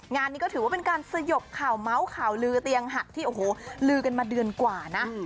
งานนี้ก็ถือว่าเป็นการสยบข่าวเมาส์ข่าวลือเตียงหักที่โอ้โหลือกันมาเดือนกว่านะ